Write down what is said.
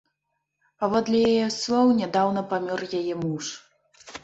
Паводле яе слоў, нядаўна памёр яе муж.